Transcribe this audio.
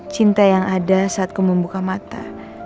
cinta yang ada saat kau membuka mata